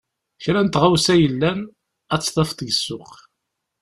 Kra n tɣawsa yellan, ad tt-tafeḍ deg ssuq.